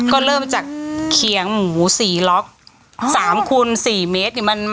ก็ได้เริ่มจากเขียงหมูศีลล๊อค๓คุณ๔เมตร